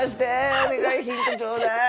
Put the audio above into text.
お願いヒントちょうだい！